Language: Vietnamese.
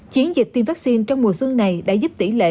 chiến dịch tiêm vaccine trong mùa xuân này đã giúp tỷ lệ